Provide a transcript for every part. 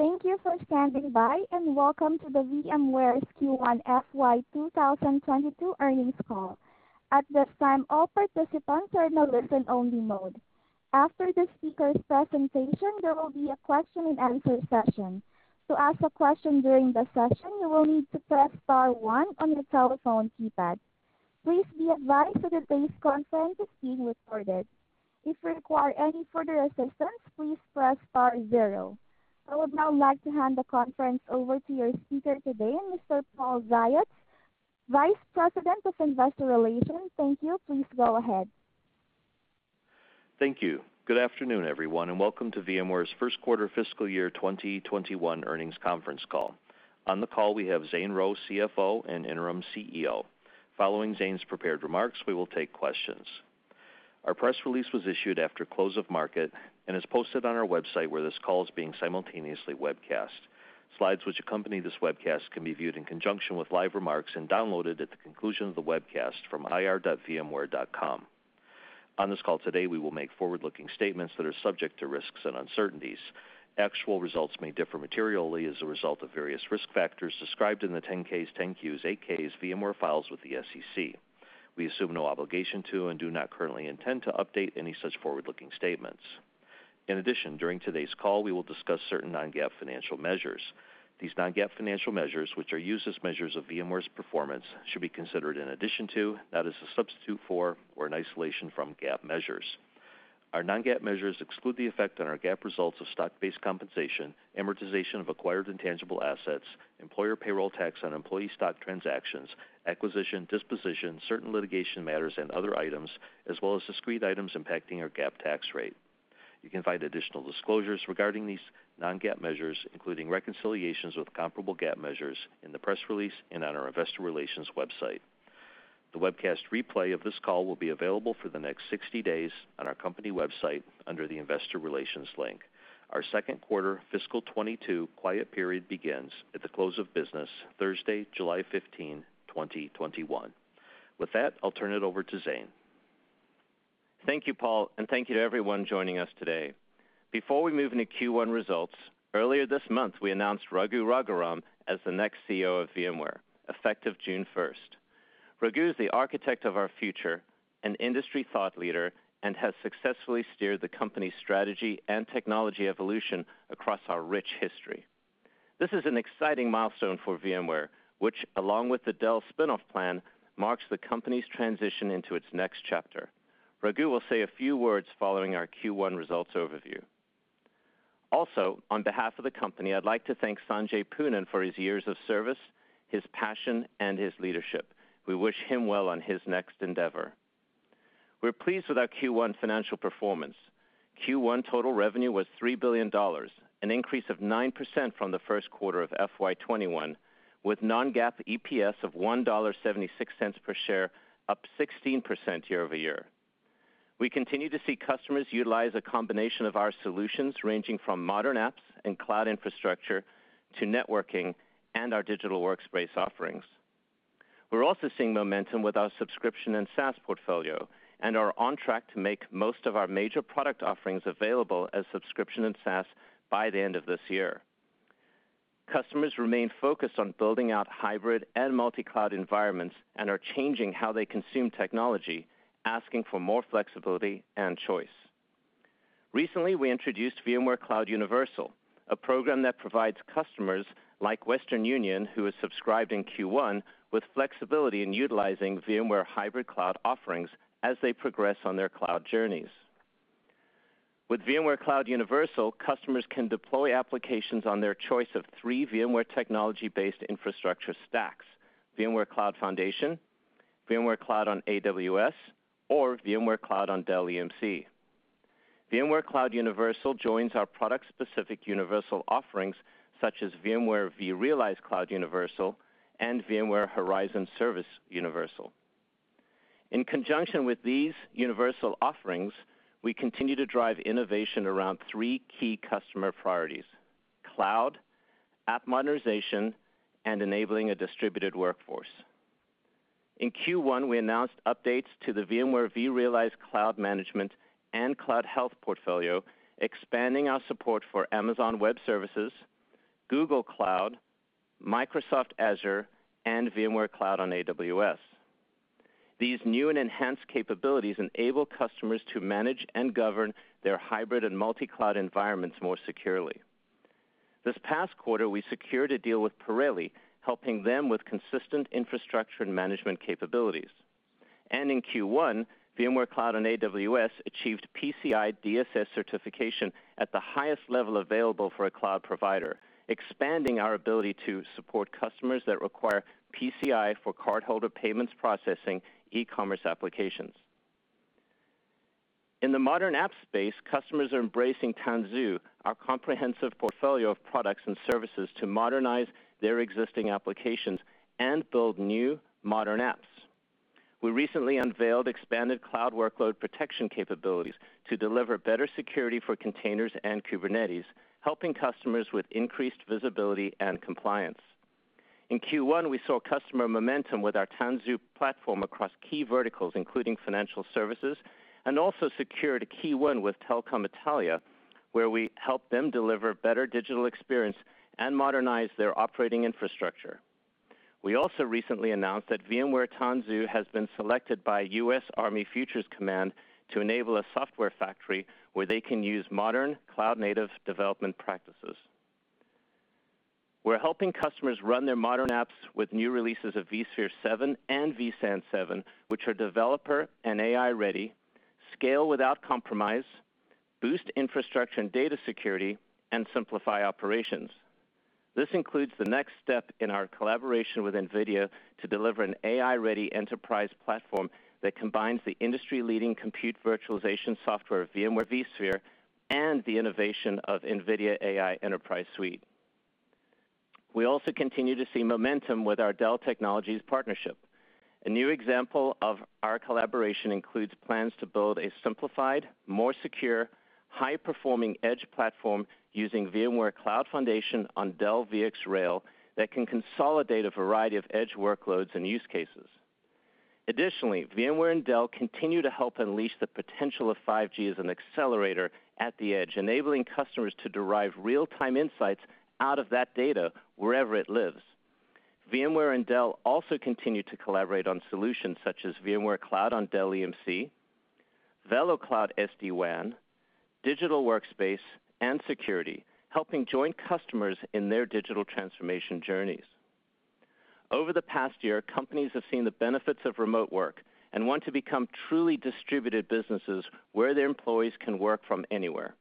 Thank you for standing by. Welcome to VMware's Q1 FY 2022 earnings call. At this time, all participants are in a listen-only mode. After the speaker's presentation, there will be a question and answer session. To ask a question during the session, you will need to press star one on your telephone keypad. Please be advised that today's conference is being recorded. If you require any further assistance, please press star zero. I would now like to hand the conference over to your speaker today, Mr. Paul Ziots, Vice President of Investor Relations. Thank you. Please go ahead. Thank you. Good afternoon, everyone, and welcome to VMware's first quarter fiscal year 2021 earnings conference call. On the call, we have Zane Rowe, CFO and interim CEO. Following Zane's prepared remarks, we will take questions. Our press release was issued after close of market and is posted on our website, where this call is being simultaneously webcast. Slides which accompany this webcast can be viewed in conjunction with live remarks and downloaded at the conclusion of the webcast from ir.vmware.com. On this call today, we will make forward-looking statements that are subject to risks and uncertainties. Actual results may differ materially as a result of various risk factors described in the 10-Ks, 10-Qs, 8-Ks VMware files with the SEC. We assume no obligation to and do not currently intend to update any such forward-looking statements. In addition, during today's call, we will discuss certain non-GAAP financial measures. These non-GAAP financial measures, which are used as measures of VMware's performance, should be considered in addition to, not as a substitute for or in isolation from GAAP measures. Our non-GAAP measures exclude the effect on our GAAP results of stock-based compensation, amortization of acquired intangible assets, employer payroll tax on employee stock transactions, acquisition, disposition, certain litigation matters, and other items, as well as discrete items impacting our GAAP tax rate. You can find additional disclosures regarding these non-GAAP measures, including reconciliations with comparable GAAP measures in the press release and on our investor relations website. The webcast replay of this call will be available for the next 60 days on our company website under the investor relations link. Our second quarter fiscal 2022 quiet period begins at the close of business Thursday, July 15, 2021. With that, I'll turn it over to Zane. Thank you, Paul, and thank you to everyone joining us today. Before we move into Q1 results, earlier this month, we announced Raghu Raghuram as the next CEO of VMware, effective June 1st. Raghu is the architect of our future, an industry thought leader, and has successfully steered the company's strategy and technology evolution across our rich history. This is an exciting milestone for VMware, which, along with the Dell spin-off plan, marks the company's transition into its next chapter. Raghu will say a few words following our Q1 results overview. Also, on behalf of the company, I'd like to thank Sanjay Poonen for his years of service, his passion, and his leadership. We wish him well on his next endeavor. We're pleased with our Q1 financial performance. Q1 total revenue was $3 billion, an increase of 9% from the first quarter of FY 2021, with non-GAAP EPS of $1.76 per share, up 16% year-over-year. We continue to see customers utilize a combination of our solutions, ranging from modern apps and cloud infrastructure to networking and our Digital Workspace offerings. We're also seeing momentum with our subscription and SaaS portfolio and are on track to make most of our major product offerings available as subscription and SaaS by the end of this year. Customers remain focused on building out hybrid and multi-cloud environments and are changing how they consume technology, asking for more flexibility and choice. Recently, we introduced VMware Cloud Universal, a program that provides customers like Western Union, who has subscribed in Q1, with flexibility in utilizing VMware hybrid cloud offerings as they progress on their cloud journeys. With VMware Cloud Universal, customers can deploy applications on their choice of three VMware technology-based infrastructure stacks: VMware Cloud Foundation, VMware Cloud on AWS, or VMware Cloud on Dell EMC. VMware Cloud Universal joins our product-specific universal offerings such as VMware vRealize Cloud Universal and VMware Horizon Service Universal. In conjunction with these universal offerings, we continue to drive innovation around three key customer priorities: cloud, app modernization, and enabling a distributed workforce. In Q1, we announced updates to the VMware vRealize Cloud Management and CloudHealth portfolio, expanding our support for Amazon Web Services, Google Cloud, Microsoft Azure, and VMware Cloud on AWS. These new and enhanced capabilities enable customers to manage and govern their hybrid and multi-cloud environments more securely. This past quarter, we secured a deal with Pirelli, helping them with consistent infrastructure and management capabilities. In Q1, VMware Cloud on AWS achieved PCI DSS certification at the highest level available for a cloud provider, expanding our ability to support customers that require PCI for cardholder payments processing e-commerce applications. In the modern app space, customers are embracing Tanzu, our comprehensive portfolio of products and services, to modernize their existing applications and build new modern apps. We recently unveiled expanded cloud workload protection capabilities to deliver better security for containers and Kubernetes, helping customers with increased visibility and compliance. In Q1, we saw customer momentum with our Tanzu platform across key verticals, including financial services, and also secured a key win with Telecom Italia, where we helped them deliver better digital experience and modernize their operating infrastructure. We also recently announced that VMware Tanzu has been selected by U.S. Army Futures Command to enable a software factory where they can use modern cloud-native development practices. We're helping customers run their modern apps with new releases of vSphere 7 and vSAN 7, which are developer and AI-ready, scale without compromise, boost infrastructure and data security, and simplify operations. This includes the next step in our collaboration with NVIDIA to deliver an AI-ready enterprise platform that combines the industry-leading compute virtualization software of VMware vSphere and the innovation of NVIDIA AI Enterprise suite. We also continue to see momentum with our Dell Technologies partnership. A new example of our collaboration includes plans to build a simplified, more secure, high-performing edge platform using VMware Cloud Foundation on Dell VxRail that can consolidate a variety of edge workloads and use cases. Additionally, VMware and Dell continue to help unleash the potential of 5G as an accelerator at the edge, enabling customers to derive real-time insights out of that data wherever it lives. VMware and Dell also continue to collaborate on solutions such as VMware Cloud on Dell EMC, VeloCloud SD-WAN, Digital Workspace, and security, helping joint customers in their digital transformation journeys. Over the past year, companies have seen the benefits of remote work and want to become truly distributed businesses where their employees can work from anywhere.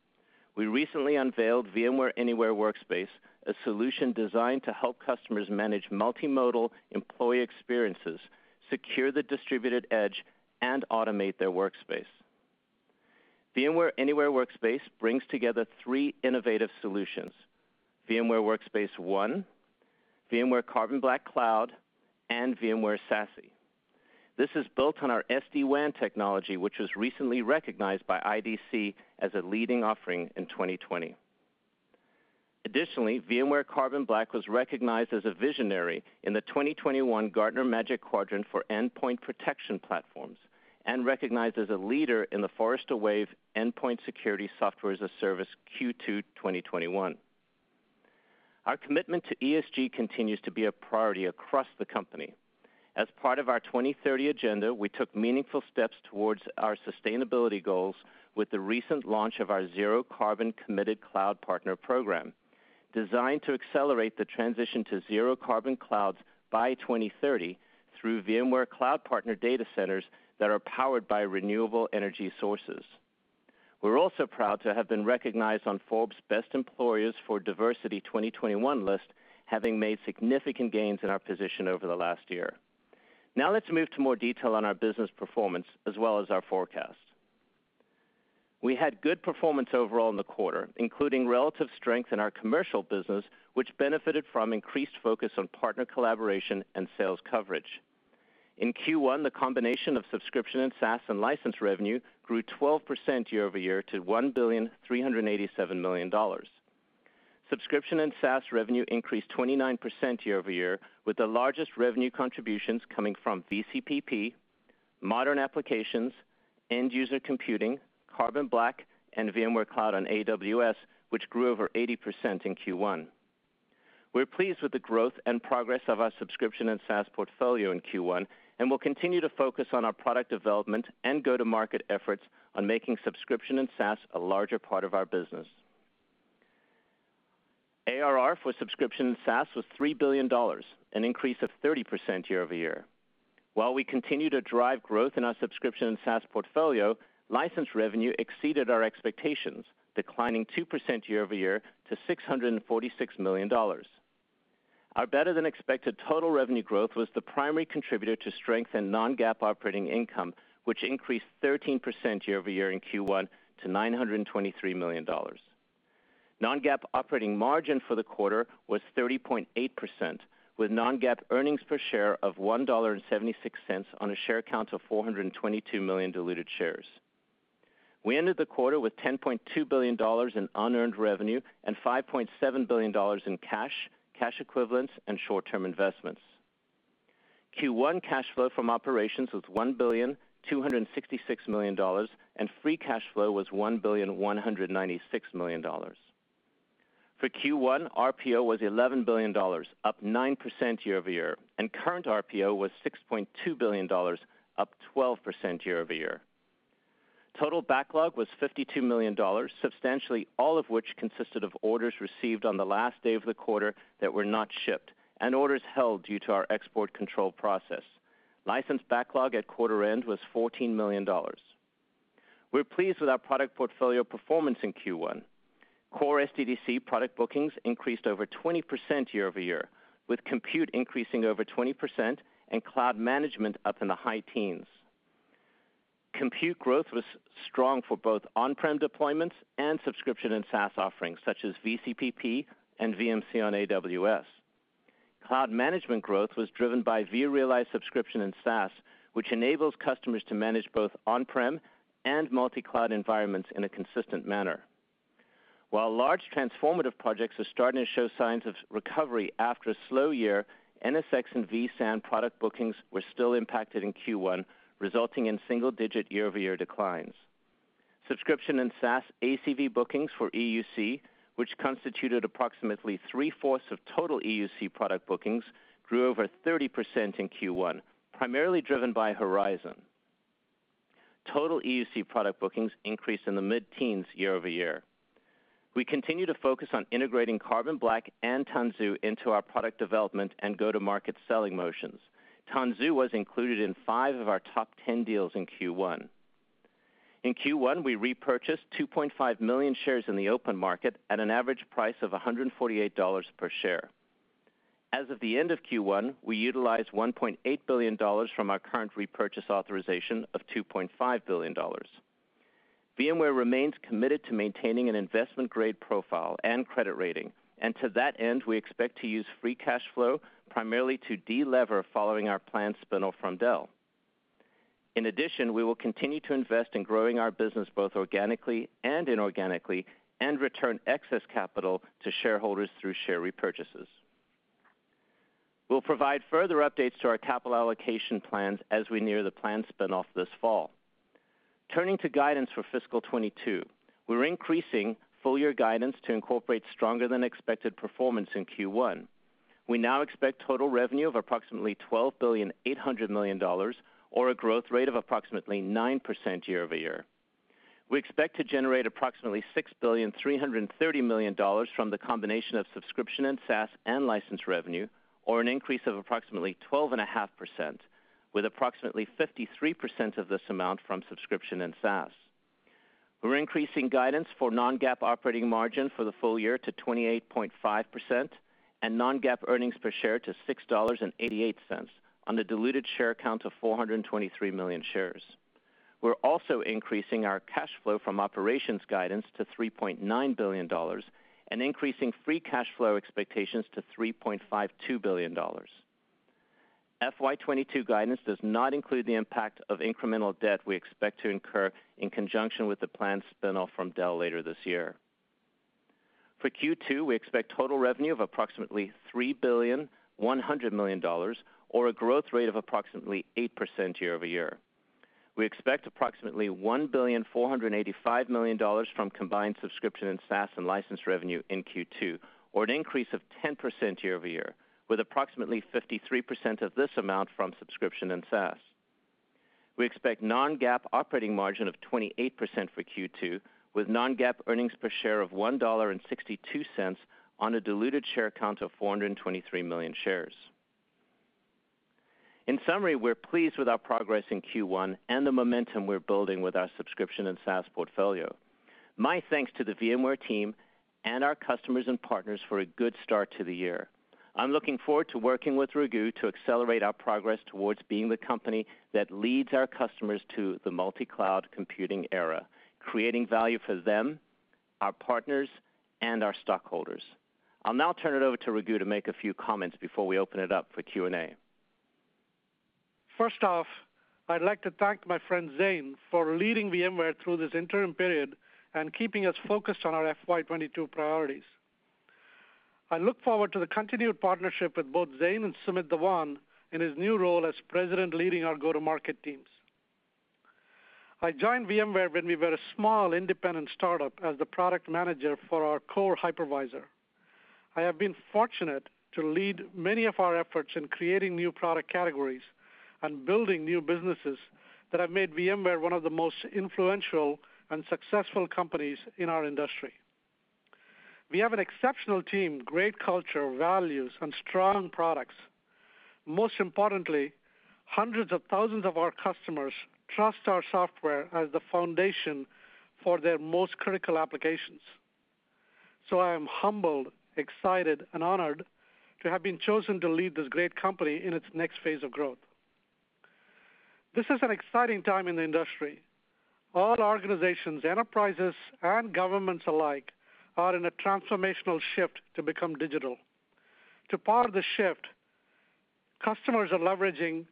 We recently unveiled VMware Anywhere Workspace, a solution designed to help customers manage multimodal employee experiences, secure the distributed edge, and automate their workspace. VMware Anywhere Workspace brings together three innovative solutions, VMware Workspace ONE, VMware Carbon Black Cloud, and VMware SASE. This is built on our SD-WAN technology, which was recently recognized by IDC as a leading offering in 2020. Additionally, VMware Carbon Black was recognized as a visionary in the 2021 Gartner Magic Quadrant for Endpoint Protection Platforms and recognized as a leader in the Forrester Wave Endpoint Security Software as a Service Q2 2021. Our commitment to ESG continues to be a priority across the company. As part of our 2030 agenda, we took meaningful steps towards our sustainability goals with the recent launch of our Zero Carbon Committed Cloud Partner program, designed to accelerate the transition to zero carbon clouds by 2030 through VMware Cloud Partner data centers that are powered by renewable energy sources. We are also proud to have been recognized on Forbes Best Employers for Diversity 2021 list, having made significant gains in our position over the last year. Now let's move to more detail on our business performance as well as our forecast. We had good performance overall in the quarter, including relative strength in our commercial business, which benefited from increased focus on partner collaboration and sales coverage. In Q1, the combination of subscription and SaaS and license revenue grew 12% year-over-year to $1.387 billion. Subscription and SaaS revenue increased 29% year-over-year, with the largest revenue contributions coming from VCPP, modern applications, end-user computing, Carbon Black, and VMware Cloud on AWS, which grew over 80% in Q1. We're pleased with the growth and progress of our subscription and SaaS portfolio in Q1, and we'll continue to focus on our product development and go-to-market efforts on making subscription and SaaS a larger part of our business. ARR for subscription and SaaS was $3 billion, an increase of 30% year-over-year. While we continue to drive growth in our subscription and SaaS portfolio, license revenue exceeded our expectations, declining 2% year-over-year to $646 million. Our better-than-expected total revenue growth was the primary contributor to strength in non-GAAP operating income, which increased 13% year-over-year in Q1 to $923 million. Non-GAAP operating margin for the quarter was 30.8%, with non-GAAP earnings per share of $1.76 on a share count of 422 million diluted shares. We ended the quarter with $10.2 billion in unearned revenue and $5.7 billion in cash equivalents, and short-term investments. Q1 cash flow from operations was $1.266 billion, and free cash flow was $1.196 billion. For Q1, RPO was $11 billion, up 9% year-over-year, and current RPO was $6.2 billion, up 12% year-over-year. Total backlog was $52 million, substantially all of which consisted of orders received on the last day of the quarter that were not shipped and orders held due to our export control process. License backlog at quarter end was $14 million. We're pleased with our product portfolio performance in Q1. Core SDDC product bookings increased over 20% year-over-year, with compute increasing over 20% and cloud management up in the high teens. Compute growth was strong for both on-prem deployments and subscription and SaaS offerings, such as VCPP and VMC on AWS. Cloud management growth was driven by vRealize subscription and SaaS, which enables customers to manage both on-prem and multi-cloud environments in a consistent manner. While large transformative projects are starting to show signs of recovery after a slow year, NSX and vSAN product bookings were still impacted in Q1, resulting in single-digit year-over-year declines. Subscription and SaaS ACV bookings for EUC, which constituted approximately 3/4 of total EUC product bookings, grew over 30% in Q1, primarily driven by Horizon. Total EUC product bookings increased in the mid-teens year-over-year. We continue to focus on integrating Carbon Black and Tanzu into our product development and go-to-market selling motions. Tanzu was included in five of our top 10 deals in Q1. In Q1, we repurchased 2.5 million shares in the open market at an average price of $148 per share. As of the end of Q1, we utilized $1.8 billion from our current repurchase authorization of $2.5 billion. VMware remains committed to maintaining an investment-grade profile and credit rating. To that end, we expect to use free cash flow primarily to de-lever following our planned spin-off from Dell. In addition, we will continue to invest in growing our business, both organically and inorganically, and return excess capital to shareholders through share repurchases. We'll provide further updates to our capital allocation plans as we near the planned spin-off this fall. Turning to guidance for fiscal 2022. We're increasing full-year guidance to incorporate stronger than expected performance in Q1. We now expect total revenue of approximately $12.8 billion, or a growth rate of approximately 9% year-over-year. We expect to generate approximately $6.33 billion from the combination of subscription and SaaS and license revenue, or an increase of approximately 12.5%, with approximately 53% of this amount from subscription and SaaS. We're increasing guidance for non-GAAP operating margin for the full year to 28.5%, and non-GAAP earnings per share to $6.88 on the diluted share count of 423 million shares. We're also increasing our cash flow from operations guidance to $3.9 billion and increasing free cash flow expectations to $3.52 billion. FY 2022 guidance does not include the impact of incremental debt we expect to incur in conjunction with the planned spin-off from Dell later this year. For Q2, we expect total revenue of approximately $3.1 billion, or a growth rate of approximately 8% year-over-year. We expect approximately $1.485 billion from combined subscription and SaaS and license revenue in Q2, or an increase of 10% year-over-year, with approximately 53% of this amount from subscription and SaaS. We expect non-GAAP operating margin of 28% for Q2, with non-GAAP earnings per share of $1.62 on a diluted share count of 423 million shares. In summary, we're pleased with our progress in Q1 and the momentum we're building with our subscription and SaaS portfolio. My thanks to the VMware team and our customers and partners for a good start to the year. I'm looking forward to working with Raghu to accelerate our progress towards being the company that leads our customers to the multi-cloud computing era, creating value for them, our partners, and our stockholders. I'll now turn it over to Raghu to make a few comments before we open it up for Q&A. First off, I'd like to thank my friend Zane Rowe for leading VMware through this interim period and keeping us focused on our FY 2022 priorities. I look forward to the continued partnership with both Zane Rowe and Sumit Dhawan in his new role as President leading our go-to-market teams. I joined VMware when we were a small independent startup as the product manager for our core hypervisor. I have been fortunate to lead many of our efforts in creating new product categories and building new businesses that have made VMware one of the most influential and successful companies in our industry. We have an exceptional team, great culture, values, and strong products. Most importantly, hundreds of thousands of our customers trust our software as the foundation for their most critical applications. I am humbled, excited, and honored to have been chosen to lead this great company in its next phase of growth. This is an exciting time in the industry. All organizations, enterprises, and governments alike, are in a transformational shift to become digital. To power the shift, customers are leveraging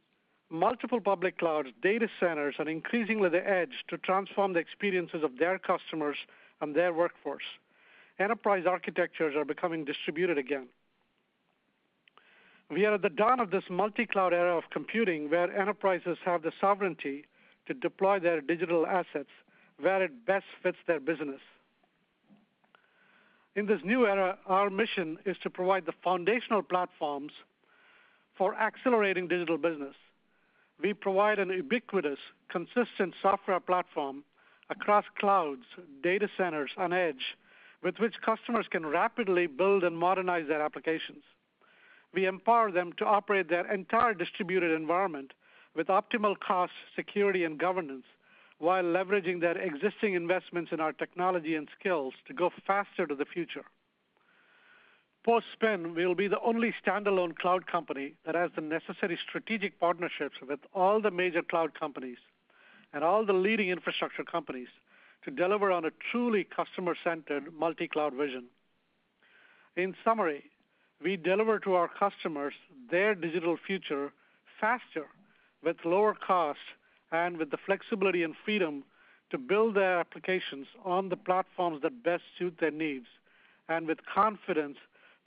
multiple public clouds, data centers, and increasingly the edge to transform the experiences of their customers and their workforce. Enterprise architectures are becoming distributed again. We are at the dawn of this multi-cloud era of computing, where enterprises have the sovereignty to deploy their digital assets where it best fits their business. In this new era, our mission is to provide the foundational platforms for accelerating digital business. We provide an ubiquitous, consistent software platform across clouds, data centers, and edge with which customers can rapidly build and modernize their applications. We empower them to operate their entire distributed environment with optimal cost, security, and governance while leveraging their existing investments in our technology and skills to go faster to the future. Post-spin, we will be the only standalone cloud company that has the necessary strategic partnerships with all the major cloud companies and all the leading infrastructure companies to deliver on a truly customer-centered multi-cloud vision. In summary, we deliver to our customers their digital future faster, with lower cost, and with the flexibility and freedom to build their applications on the platforms that best suit their needs, and with confidence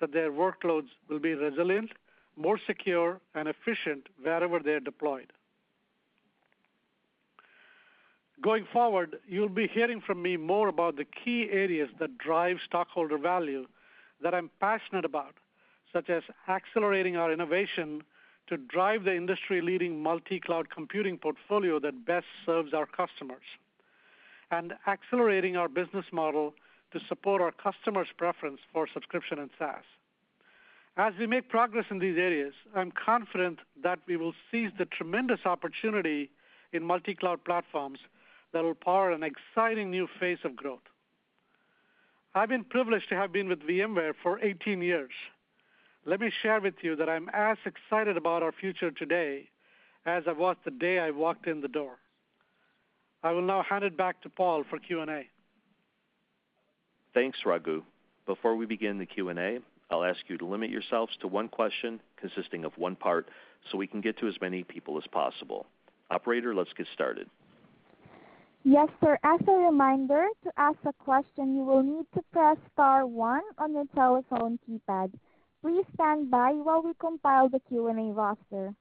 that their workloads will be resilient, more secure, and efficient wherever they're deployed. Going forward, you'll be hearing from me more about the key areas that drive stockholder value that I'm passionate about, such as accelerating our innovation to drive the industry-leading multi-cloud computing portfolio that best serves our customers, and accelerating our business model to support our customers' preference for subscription and SaaS. As we make progress in these areas, I'm confident that we will seize the tremendous opportunity in multi-cloud platforms that will power an exciting new phase of growth. I've been privileged to have been with VMware for 18 years. Let me share with you that I'm as excited about our future today as I was the day I walked in the door. I will now hand it back to Paul for Q&A. Thanks, Raghu. Before we begin the Q&A, I'll ask you to limit yourselves to one question consisting of one part, so we can get to as many people as possible. Operator, let's get started. Yes, sir. As a reminder, to ask a question you will need to press star one on your telephone keypad. Please stand by while we compile the Q&A roster.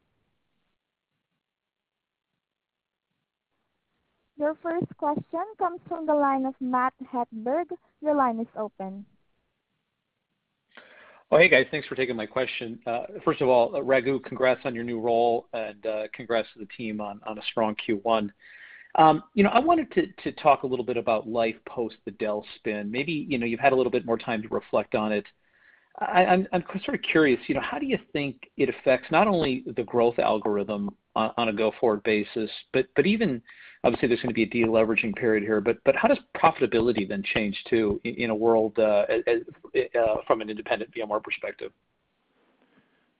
Your first question comes from the line of Matt Hedberg. Your line is open. Oh, hey, guys. Thanks for taking my question. First of all, Raghu, congrats on your new role, and congrats to the team on a strong Q1. You know, I wanted to talk a little bit about life post the Dell spin. Maybe, you know, you've had a little bit more time to reflect on it. I'm sort of curious, you know, how do you think it affects not only the growth algorithm on a go-forward basis, but even obviously there's going to be a de-leveraging period here, but how does profitability then change, too, in a world, as from an independent VMware perspective?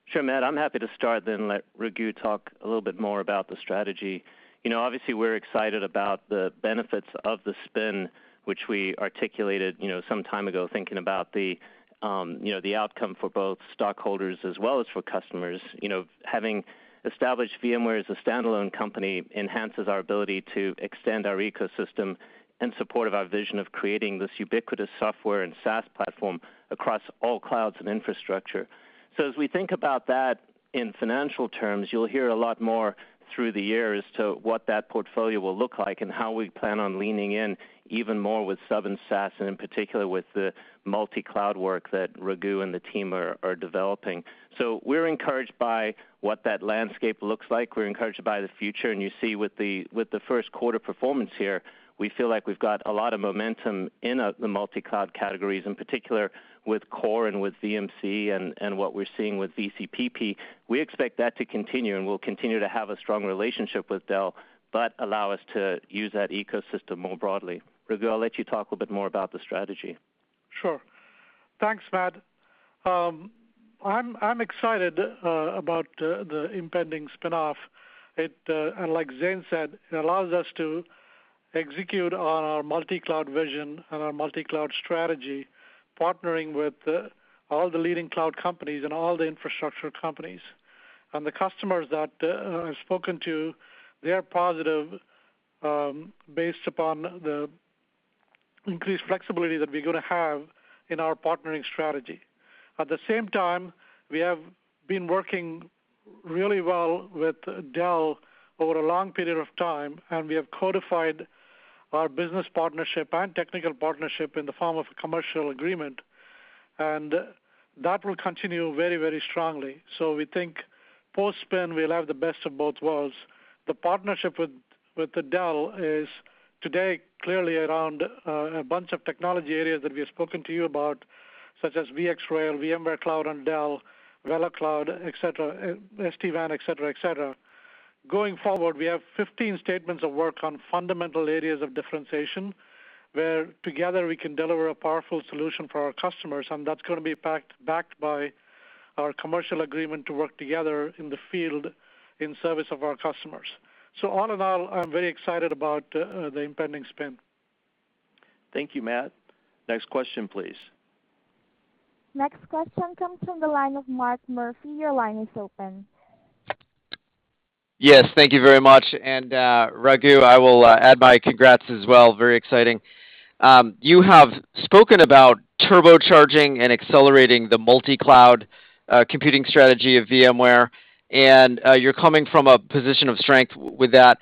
Sure, Matt. I'm happy to start, then let Raghu talk a little bit more about the strategy. You know, obviously we're excited about the benefits of the spin which we articulated, you know, some time ago, thinking about the, you know, the outcome for both stockholders as well as for customers. You know, having established VMware as a standalone company enhances our ability to extend our ecosystem in support of our vision of creating this ubiquitous software and SaaS platform across all clouds and infrastructure. As we think about that in financial terms, you'll hear a lot more through the year as to what that portfolio will look like and how we plan on leaning in even more with sub and SaaS, and in particular with the multi-cloud work that Raghu and the team are developing. We're encouraged by what that landscape looks like. We're encouraged by the future, and you see with the first quarter performance here, we feel like we've got a lot of momentum in the multi-cloud categories, in particular with Core and with VMC and what we're seeing with VCPP. We expect that to continue, and we'll continue to have a strong relationship with Dell, but allow us to use that ecosystem more broadly. Raghu, I'll let you talk a little bit more about the strategy. Sure. Thanks, Matt. I'm excited about the impending spin-off. Like Zane said, it allows us to execute on our multi-cloud vision and our multi-cloud strategy, partnering with all the leading cloud companies and all the infrastructure companies. The customers that I've spoken to, they are positive, based upon the increased flexibility that we're going to have in our partnering strategy. At the same time, we have been working really well with Dell over a long period of time, and we have codified our business partnership and technical partnership in the form of a commercial agreement, and that will continue very, very strongly. We think post-spin we'll have the best of both worlds. The partnership with Dell is today clearly around a bunch of technology areas that we have spoken to you about, such as VxRail, VMware Cloud on Dell, VeloCloud, et cetera, SD-WAN, et cetera, et cetera. Going forward, we have 15 statements of work on fundamental areas of differentiation, where together we can deliver a powerful solution for our customers, and that's going to be backed by our commercial agreement to work together in the field in service of our customers. All in all, I'm very excited about the impending spin. Thank you, Matt. Next question please. Next question comes from the line of Mark Murphy. Your line is open. Yes. Thank you very much. Raghu, I will add my congrats as well. Very exciting. You have spoken about turbocharging and accelerating the multi-cloud computing strategy of VMware, and you're coming from a position of strength with that.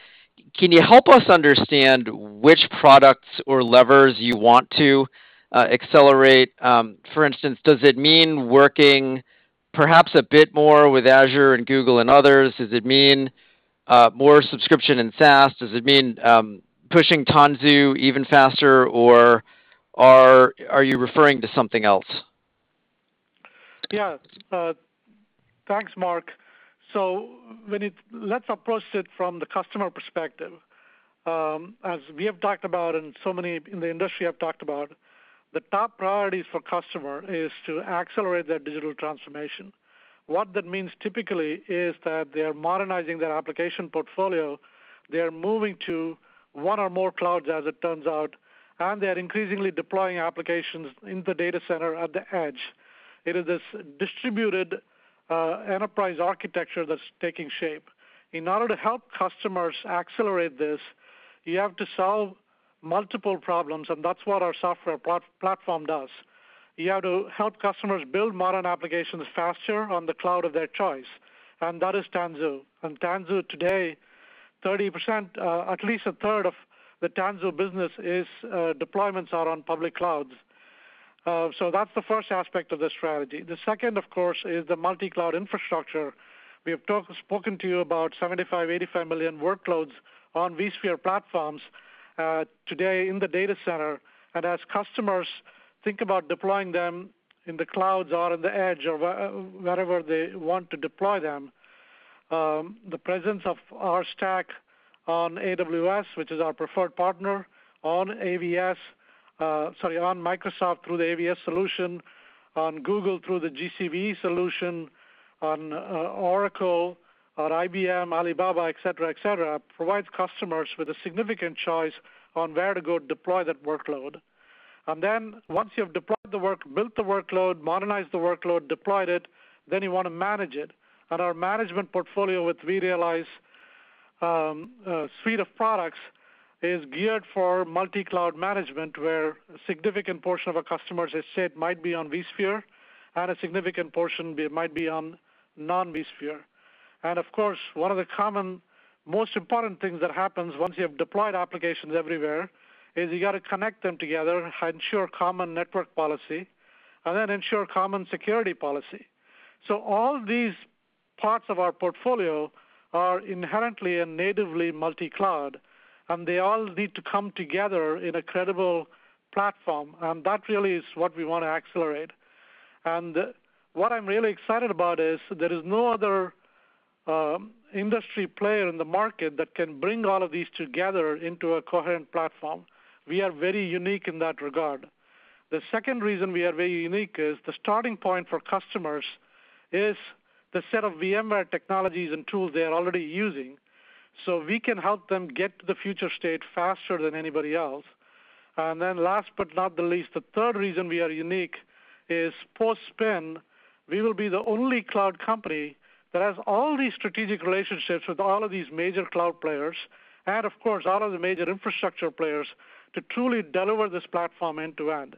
Can you help us understand which products or levers you want to accelerate? For instance, does it mean working perhaps a bit more with Azure and Google and others? Does it mean more subscription in SaaS? Does it mean pushing Tanzu even faster, or are you referring to something else? Yeah, thanks, Mark. Let's approach it from the customer perspective. As we have talked about and so many in the industry have talked about, the top priorities for customer is to accelerate their digital transformation. What that means typically is that they're modernizing their application portfolio, they're moving to one or more clouds as it turns out, and they're increasingly deploying applications in the data center at the edge. It is this distributed enterprise architecture that's taking shape. In order to help customers accelerate this, you have to solve multiple problems, and that's what our software platform does. You have to help customers build modern applications faster on the cloud of their choice, and that is Tanzu. Tanzu today, 30%, at least a third of the Tanzu business is, deployments are on public clouds. That's the first aspect of the strategy. The second, of course, is the multi-cloud infrastructure. We have spoken to you about 75million-85 million workloads on vSphere platforms today in the data center. As customers think about deploying them in the clouds or on the edge or wherever they want to deploy them, the presence of our stack on AWS, which is our preferred partner, on AVS, sorry, on Microsoft through the AVS solution, on Google through the GCVE solution, on Oracle, on IBM, Alibaba, et cetera, et cetera, provides customers with a significant choice on where to go deploy that workload. Once you've deployed the work, built the workload, modernized the workload, deployed it, then you want to manage it. Our management portfolio with vRealize suite of products is geared for multi-cloud management, where a significant portion of our customers, as I said, might be on vSphere, and a significant portion might be on non-vSphere. Of course, one of the common most important things that happens once you have deployed applications everywhere is you got to connect them together and ensure common network policy, and then ensure common security policy. All these parts of our portfolio are inherently and natively multi-cloud, and they all need to come together in a credible platform. That really is what we want to accelerate. What I'm really excited about is there is no other industry player in the market that can bring all of these together into a coherent platform. We are very unique in that regard. The second reason we are very unique is the starting point for customers is the set of VMware technologies and tools they are already using, so we can help them get to the future state faster than anybody else. Last but not the least, the third reason we are unique is post-spin, we will be the only cloud company that has all these strategic relationships with all of these major cloud players, and of course, all of the major infrastructure players, to truly deliver this platform end to end.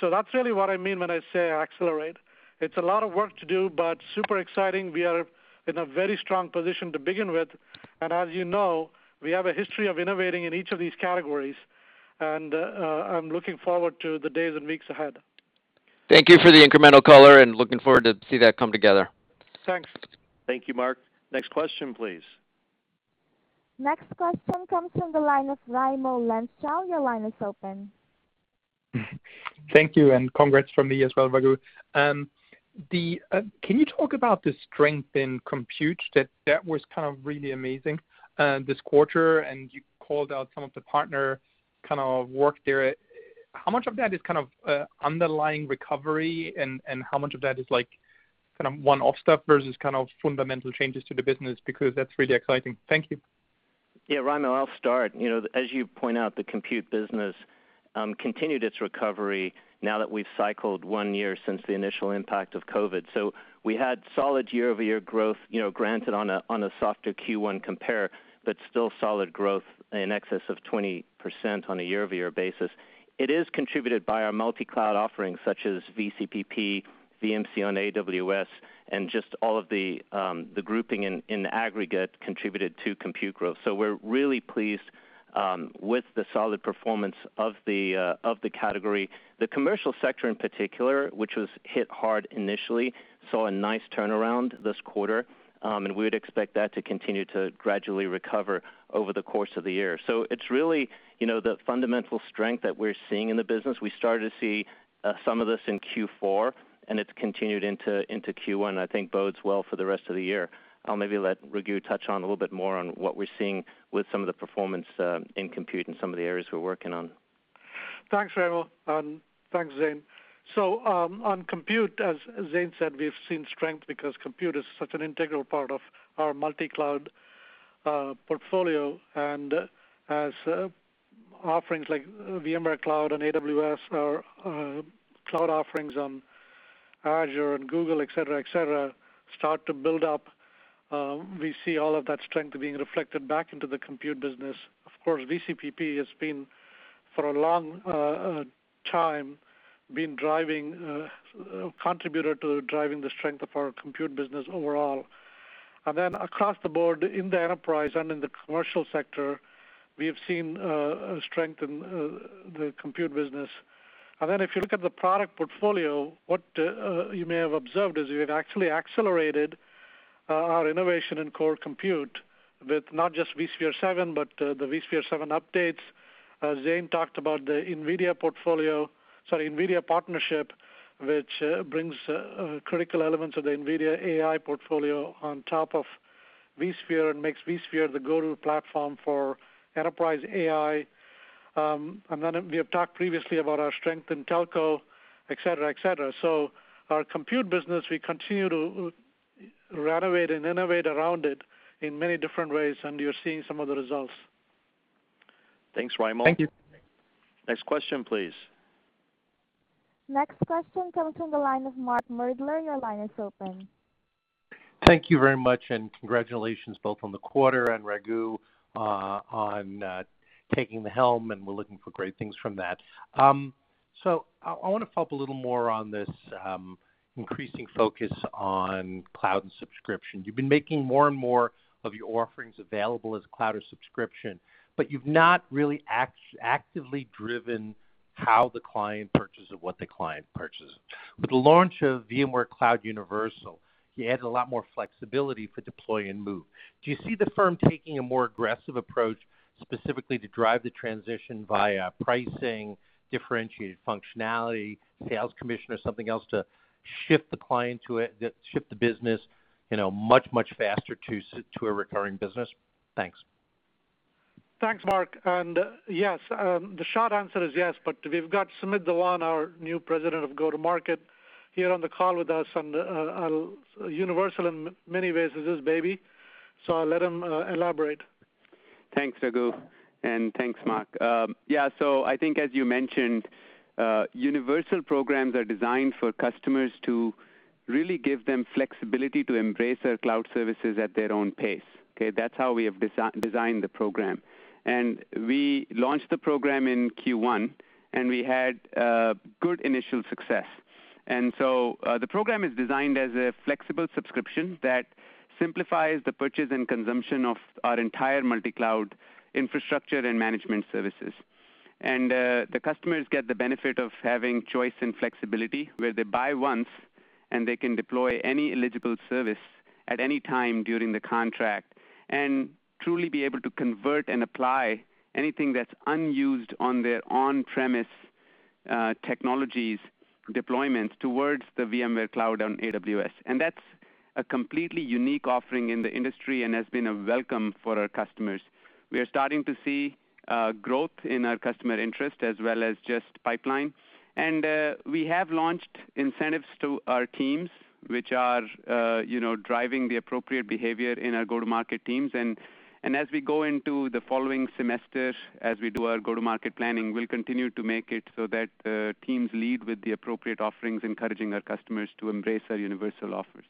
That's really what I mean when I say accelerate. It's a lot of work to do, but super exciting. We are in a very strong position to begin with. As you know, we have a history of innovating in each of these categories, and I'm looking forward to the days and weeks ahead. Thank you for the incremental color and looking forward to see that come together. Thanks. Thank you, Mark. Next question, please. Next question comes from the line of Raimo Lenschow. Your line is open. Thank you, and congrats from me as well, Raghu. Can you talk about the strength in compute that was kind of really amazing this quarter, and you called out some of the partner kind of work there. How much of that is kind of underlying recovery and how much of that is like kind of one-off stuff versus kind of fundamental changes to the business? Because that's really exciting. Thank you. Yeah, Raimo, I'll start. You know, as you point out, the compute business continued its recovery now that we've cycled one year since the initial impact of COVID. We had solid year-over-year growth, you know, granted on a softer Q1 compare, but still solid growth in excess of 20% on a year-over-year basis. It is contributed by our multi-cloud offerings such as VCPP, VMC on AWS, and just all of the grouping in aggregate contributed to compute growth. We're really pleased with the solid performance of the category. The commercial sector in particular, which was hit hard initially, saw a nice turnaround this quarter. We would expect that to continue to gradually recover over the course of the year. It's really, you know, the fundamental strength that we're seeing in the business. We started to see some of this in Q4, and it's continued into Q1, I think bodes well for the rest of the year. I'll maybe let Raghu touch on a little bit more on what we're seeing with some of the performance in compute and some of the areas we're working on. Thanks, Raimo, and thanks, Zane. on compute, as Zane said, we've seen strength because compute is such an integral part of our multi-cloud, portfolio. as offerings like VMware Cloud on AWS or, cloud offerings on Azure and Google, et cetera, et cetera, start to build up, we see all of that strength being reflected back into the compute business. Of course, VCPP has been, for a long, time, been driving, contributor to driving the strength of our compute business overall. then across the board in the enterprise and in the commercial sector, we have seen, strength in, the compute business. then if you look at the product portfolio, what, you may have observed is we have actually accelerated, our innovation in core compute with not just vSphere 7, but, the vSphere 7 updates. Zane talked about the NVIDIA partnership, which brings critical elements of the NVIDIA AI portfolio on top of vSphere and makes vSphere the go-to platform for enterprise AI. We have talked previously about our strength in telco, et cetera, et cetera. Our compute business, we continue to innovate around it in many different ways, and you're seeing some of the results. Thanks, Raimo. Thank you. Next question, please. Next question comes from the line of Mark Moerdler. Your line is open. Thank you very much, and congratulations both on the quarter and Raghu on taking the helm, and we're looking for great things from that. I want to follow up a little more on this increasing focus on cloud and subscription. You've been making more and more of your offerings available as cloud or subscription, but you've not really actively driven how the client purchases or what the client purchases. With the launch of VMware Cloud Universal, you added a lot more flexibility for deploy and move. Do you see the firm taking a more aggressive approach specifically to drive the transition via pricing, differentiated functionality, sales commission, or something else to shift the client to it, shift the business, you know, much, much faster to a recurring business? Thanks. Thanks, Mark. Yes, the short answer is yes, but we've got Sumit Dhawan, our new President of Go-To-Market, here on the call with us, and Universal in many ways is his baby, so I'll let him elaborate. Thanks, Raghu, and thanks, Mark. I think as you mentioned, Universal programs are designed for customers to really give them flexibility to embrace our cloud services at their own pace, okay? That's how we have designed the program. We launched the program in Q1, and we had good initial success. The program is designed as a flexible subscription that simplifies the purchase and consumption of our entire multi-cloud infrastructure and management services. The customers get the benefit of having choice and flexibility, where they buy once, and they can deploy any eligible service at any time during the contract and truly be able to convert and apply anything that's unused on their on-premise technologies deployments towards the VMware Cloud on AWS. That's a completely unique offering in the industry and has been a welcome for our customers. We are starting to see growth in our customer interest as well as just pipeline. We have launched incentives to our teams, which are, you know, driving the appropriate behavior in our go-to-market teams. As we go into the following semester, as we do our go-to-market planning, we'll continue to make it so that teams lead with the appropriate offerings, encouraging our customers to embrace our Universal offers.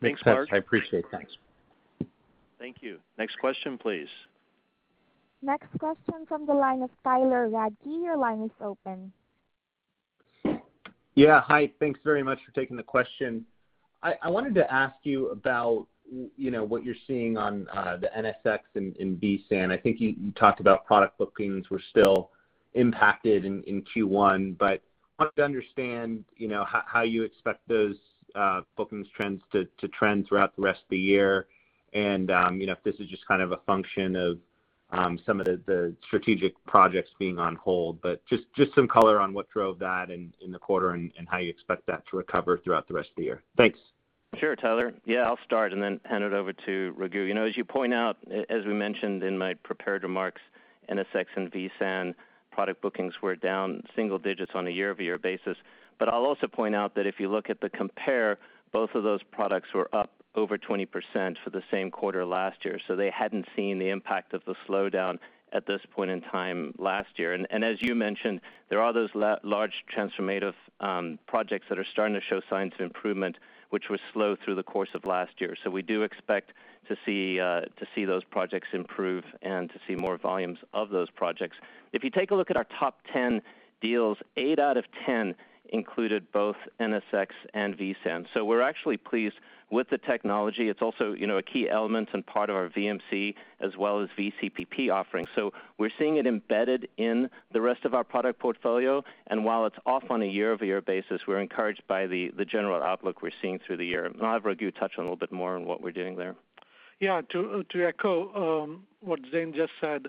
Makes sense. Thanks, Mark. I appreciate it. Thanks. Thank you. Next question, please. Next question from the line of Tyler Radke. Your line is open. Yeah. Hi. Thanks very much for taking the question. I wanted to ask you about what you're seeing on the NSX and vSAN. I think you talked about product bookings were still impacted in Q1, but wanted to understand, you know, how you expect those bookings trends to trend throughout the rest of the year and, you know, if this is just kind of a function of some of the strategic projects being on hold. Just some color on what drove that in the quarter and how you expect that to recover throughout the rest of the year. Thanks. Sure, Tyler. Yeah, I'll start and then hand it over to Raghu. You know, as you point out, as we mentioned in my prepared remarks, NSX and vSAN product bookings were down single digits on a year-over-year basis. I'll also point out that if you look at the compare, both of those products were up over 20% for the same quarter last year, so they hadn't seen the impact of the slowdown at this point in time last year. As you mentioned, there are those large transformative projects that are starting to show signs of improvement, which were slow through the course of last year. We do expect to see those projects improve and to see more volumes of those projects. If you take a look at our top 10 deals, eight out of 10 included both NSX and vSAN. We're actually pleased with the technology. It's also, you know, a key element and part of our VMC as well as VCPP offerings. We're seeing it embedded in the rest of our product portfolio. While it's off on a year-over-year basis, we're encouraged by the general outlook we're seeing through the year. I'll have Raghu touch on a little bit more on what we're doing there. Yeah. To echo what Zane just said,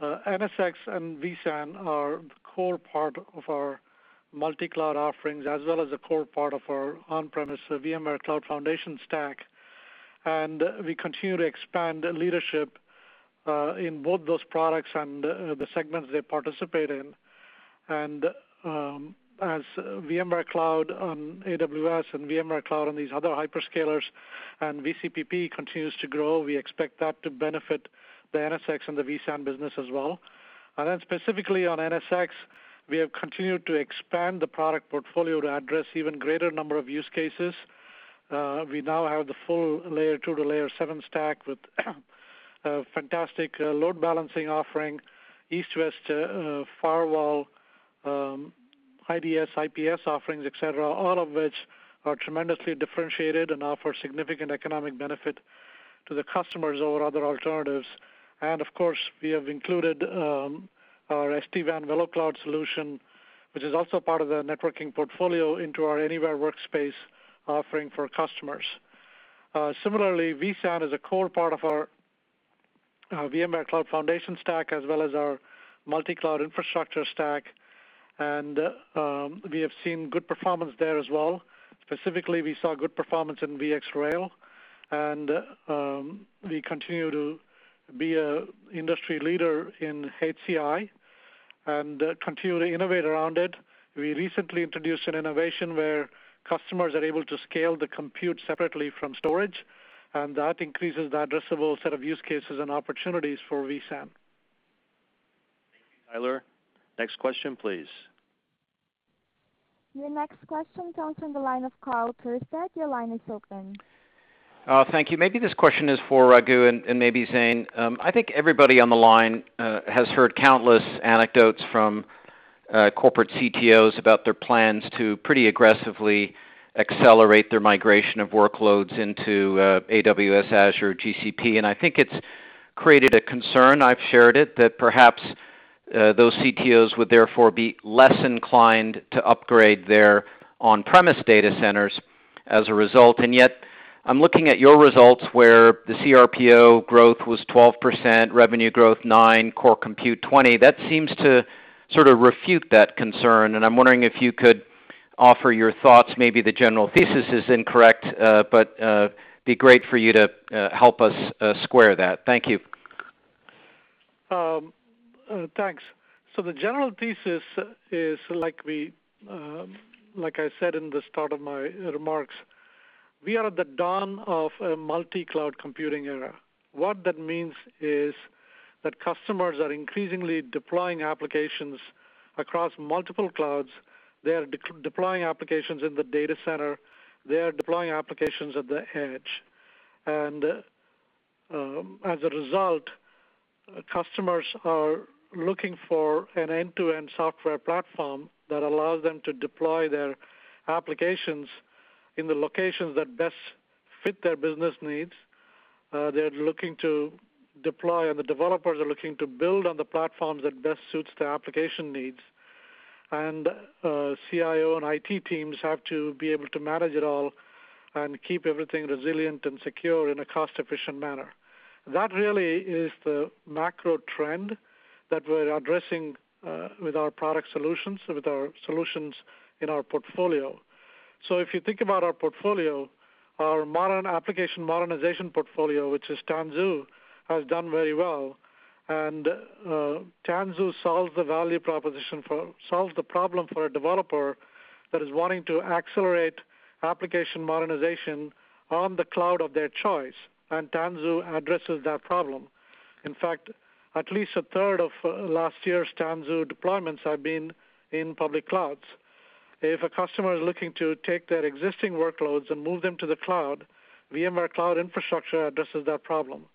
NSX and vSAN are the core part of our multi-cloud offerings as well as a core part of our on-premise VMware Cloud Foundation stack. We continue to expand leadership in both those products and the segments they participate in. As VMware Cloud on AWS and VMware Cloud on these other hyperscalers and VCPP continues to grow, we expect that to benefit the NSX and the vSAN business as well. Specifically on NSX, we have continued to expand the product portfolio to address even greater number of use cases. We now have the full layer two to layer seven stack with fantastic load balancing offering, east-west firewall, IDS, IPS offerings, et cetera, all of which are tremendously differentiated and offer significant economic benefit to the customers over other alternatives. Of course, we have included our SD-WAN VeloCloud solution, which is also part of the networking portfolio into our Anywhere Workspace offering for customers. Similarly, vSAN is a core part of our VMware Cloud Foundation stack, as well as our multi-cloud infrastructure stack. We have seen good performance there as well. Specifically, we saw good performance in VxRail, and we continue to be an industry leader in HCI and continue to innovate around it. We recently introduced an innovation where customers are able to scale the compute separately from storage, and that increases the addressable set of use cases and opportunities for vSAN. Thank you, Tyler. Next question, please. Your next question comes from the line of Karl Keirstead. Your line is open. Thank you. Maybe this question is for Raghu and maybe Zane. I think everybody on the line has heard countless anecdotes from corporate CTOs about their plans to pretty aggressively accelerate their migration of workloads into AWS, Azure, GCP, and I think it's created a concern, I've shared it, that perhaps those CTOs would therefore be less inclined to upgrade their on-premise data centers as a result. Yet I'm looking at your results, where the CRPO growth was 12%, revenue growth 9%, core compute 20%. That seems to sort of refute that concern, and I'm wondering if you could offer your thoughts. Maybe the general thesis is incorrect, but be great for you to help us square that. Thank you. Thanks. The general thesis is like we, like I said in the start of my remarks, we are at the dawn of a multi-cloud computing era. What that means is that customers are increasingly deploying applications across multiple clouds. They are deploying applications in the data center. They are deploying applications at the edge. As a result, customers are looking for an end-to-end software platform that allows them to deploy their applications in the locations that best fit their business needs. They're looking to deploy, and the developers are looking to build on the platforms that best suits their application needs. CIO and IT teams have to be able to manage it all and keep everything resilient and secure in a cost-efficient manner. That really is the macro trend that we're addressing, with our product solutions, with our solutions in our portfolio. If you think about our portfolio, our modern application modernization portfolio, which is Tanzu, has done very well. Tanzu solves the problem for a developer that is wanting to accelerate application modernization on the cloud of their choice, and Tanzu addresses that problem. In fact, at least a third of last year's Tanzu deployments have been in public clouds. If a customer is looking to take their existing workloads and move them to the cloud, VMware Cloud infrastructure addresses that problem.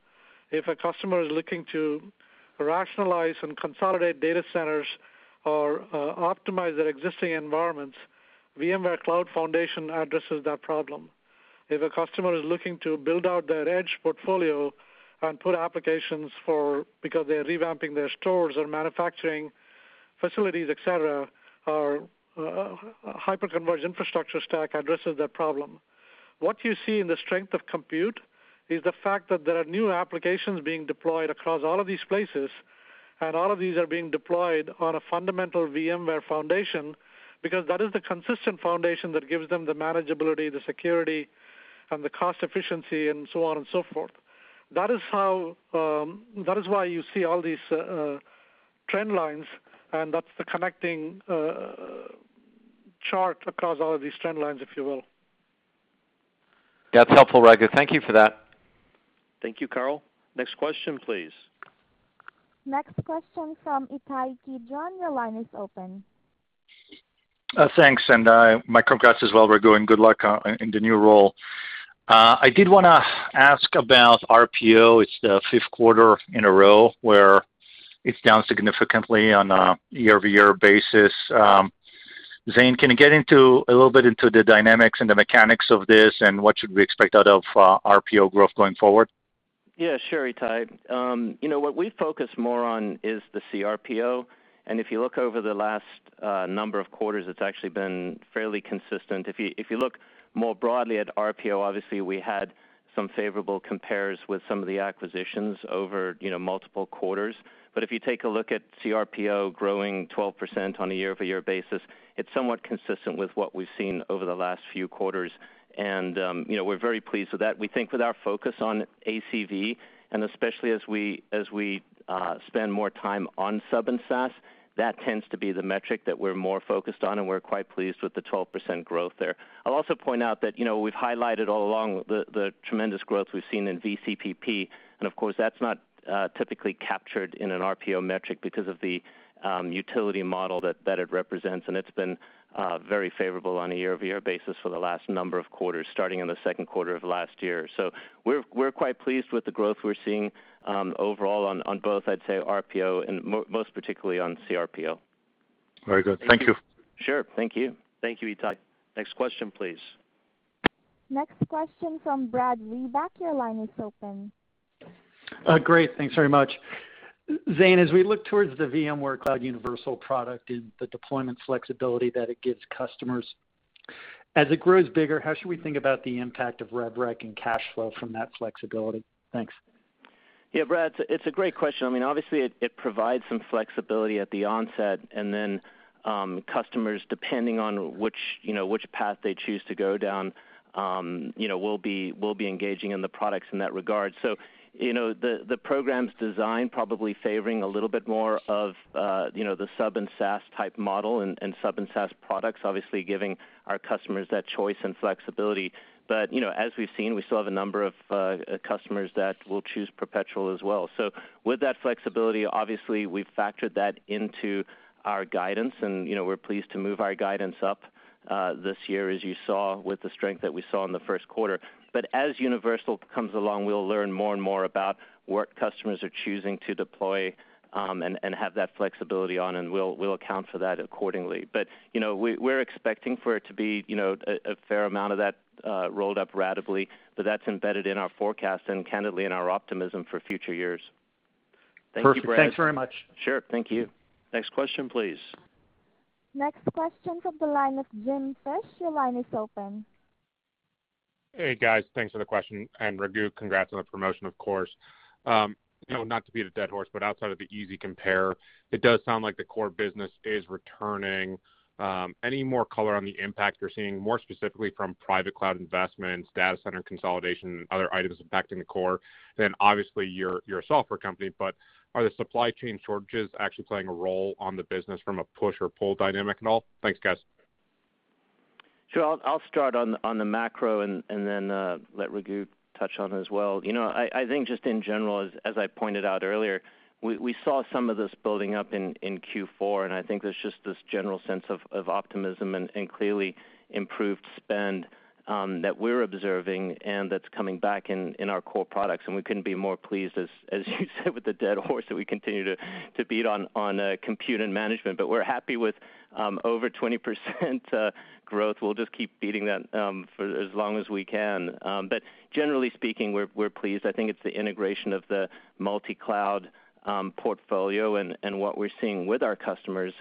If a customer is looking to rationalize and consolidate data centers or optimize their existing environments, VMware Cloud Foundation addresses that problem. If a customer is looking to build out their edge portfolio and put applications forth because they're revamping their stores or manufacturing facilities, et cetera, our hyper-converged infrastructure stack addresses that problem. What you see in the strength of compute is the fact that there are new applications being deployed across all of these places, and all of these are being deployed on a fundamental VMware foundation because that is the consistent foundation that gives them the manageability, the security, and the cost efficiency and so on and so forth. That is how that is why you see all these trend lines, and that's the connecting chart across all of these trend lines, if you will. That's helpful, Raghu. Thank you for that. Thank you, Karl. Next question, please. Next question from Ittai Kidron. Your line is open. thanks, and my congrats as well, Raghu, and good luck in the new role. I did want to ask about RPO. It's the fifth quarter in a row where it's down significantly on a year-over-year basis. Zane, can you get into a little bit into the dynamics and the mechanics of this, and what should we expect out of RPO growth going forward? Yeah, sure, Ittai. you know, what we focus more on is the CRPO, and if you look over the last number of quarters, it's actually been fairly consistent. If you look more broadly at RPO, obviously we had some favorable compares with some of the acquisitions over, you know, multiple quarters. If you take a look at CRPO growing 12% on a year-over-year basis, it's somewhat consistent with what we've seen over the last few quarters. you know, we're very pleased with that. We think with our focus on ACV, and especially as we spend more time on sub and SaaS, that tends to be the metric that we're more focused on, and we're quite pleased with the 12% growth there. I'll also point out that, you know, we've highlighted all along the tremendous growth we've seen in VCPP, and of course, that's not typically captured in an RPO metric because of the utility model that it represents, and it's been very favorable on a year-over-year basis for the last number of quarters, starting in the second quarter of last year. We're quite pleased with the growth we're seeing overall on both, I'd say RPO and most particularly on CRPO. Very good. Thank you. Sure. Thank you. Thank you, Ittai. Next question, please. Next question from Brad Reback. Your line is open. Great. Thanks very much. Zane, as we look towards the VMware Cloud Universal product and the deployment flexibility that it gives customers. As it grows bigger, how should we think about the impact of rev rec and cash flow from that flexibility? Thanks. Yeah, Brad, it's a great question. I mean, obviously it provides some flexibility at the onset, and then customers, depending on which, you know, which path they choose to go down, you know, will be engaging in the products in that regard. You know, the program's design probably favoring a little bit more of, you know, the sub and SaaS type model and sub and SaaS products, obviously giving our customers that choice and flexibility. You know, as we've seen, we still have a number of customers that will choose perpetual as well. With that flexibility, obviously we've factored that into our guidance and, you know, we're pleased to move our guidance up this year as you saw with the strength that we saw in the first quarter. As Universal comes along, we'll learn more and more about what customers are choosing to deploy, and have that flexibility on, and we'll account for that accordingly. You know, we're expecting for it to be, you know, a fair amount of that, rolled up ratably, that's embedded in our forecast and candidly in our optimism for future years. Thank you, Brad. Perfect. Thanks very much. Sure. Thank you. Next question, please. Next question from the line of Jim Fish. Your line is open. Hey, guys. Thanks for the question, and Raghu, congrats on the promotion, of course. you know, not to beat a dead horse, outside of the easy compare, it does sound like the core business is returning. Any more color on the impact you're seeing more specifically from private cloud investments, data center consolidation, other items impacting the core? Obviously you're a software company, are the supply chain shortages actually playing a role on the business from a push or pull dynamic at all? Thanks, guys. Sure. I'll start on the macro and then let Raghu touch on it as well. You know, I think just in general, as I pointed out earlier, we saw some of this building up in Q4, and I think there's just this general sense of optimism and clearly improved spend that we're observing and that's coming back in our core products, and we couldn't be more pleased, as you said with the dead horse that we continue to beat on compute and management. We're happy with over 20% growth. We'll just keep beating that for as long as we can. Generally speaking, we're pleased. I think it's the integration of the multi-cloud portfolio and what we're seeing with our customers.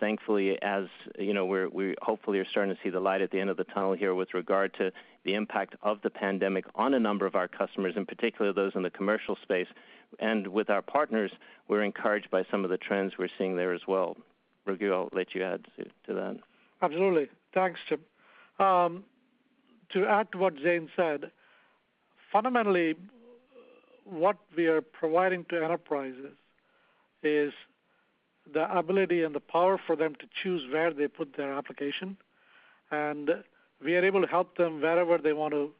Thankfully, as you know, we hopefully are starting to see the light at the end of the tunnel here with regard to the impact of the pandemic on a number of our customers, in particular those in the commercial space. With our partners, we're encouraged by some of the trends we're seeing there as well. Raghu, I'll let you add to that. Absolutely. Thanks, Jim. To add to what Zane said, fundamentally what we are providing to enterprises is the ability and the power for them to choose where they put their application, and we are able to help them wherever they want to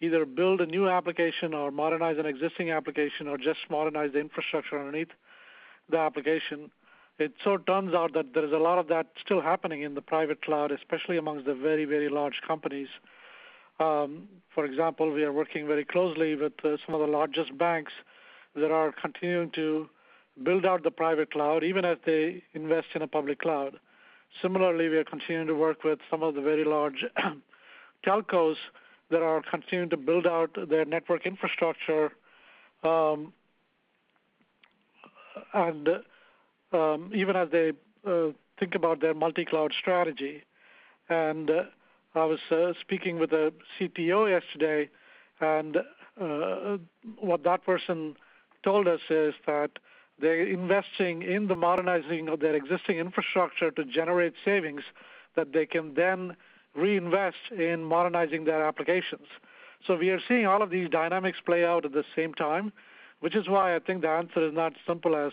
either build a new application or modernize an existing application or just modernize the infrastructure underneath the application. It so turns out that there is a lot of that still happening in the private cloud, especially amongst the very, very large companies. For example, we are working very closely with some of the largest banks that are continuing to build out the private cloud, even as they invest in a public cloud. Similarly, we are continuing to work with some of the very large telcos that are continuing to build out their network infrastructure, and even as they think about their multi-cloud strategy. I was speaking with a CTO yesterday, and what that person told us is that they're investing in the modernizing of their existing infrastructure to generate savings that they can then reinvest in modernizing their applications. We are seeing all of these dynamics play out at the same time, which is why I think the answer is not simple as